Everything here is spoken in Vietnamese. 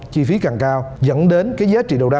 chi phí càng cao dẫn đến cái giá trị đầu ra